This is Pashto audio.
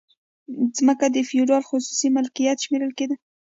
ځمکه د فیوډال خصوصي ملکیت شمیرل کیده.